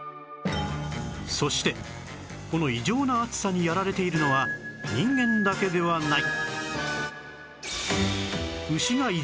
そしてこの異常な暑さにやられているのは人間だけではない